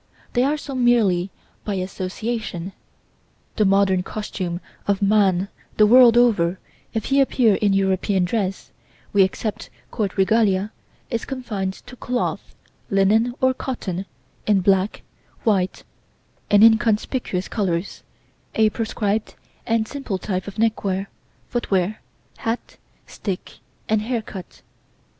They are so merely by association. The modern costuming of man the world over, if he appear in European dress (we except court regalia), is confined to cloth, linen or cotton, in black, white and inconspicuous colours; a prescribed and simple type of neckwear, footwear, hat, stick, and hair cut.